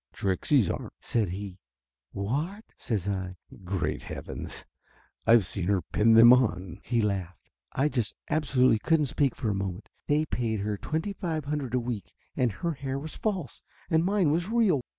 "Trixie's aren't," said he. "What?" says I. "Great heavens, I've seen her pin them on!" he laughed. I just absolutely couldn't speak for a moment. They paid her twenty five hundred a week and her hair was false, and mine was real!